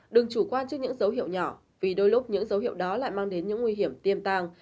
đừng chủ quan trước những dấu hiệu nhỏ vì đôi lúc những dấu hiệu đó lại mang đến những nguy hiểm tiêm tàng